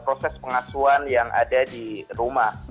proses pengasuhan yang ada di rumah